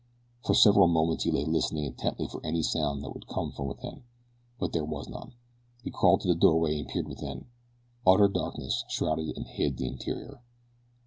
For several moments he lay listening intently for any sound which might come from within; but there was none. He crawled to the doorway and peered within. Utter darkness shrouded and hid the interior.